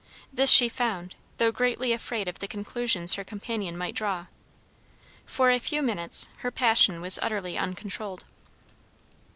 This she found, though greatly afraid of the conclusions her companion might draw. For a few minutes her passion was utterly uncontrolled.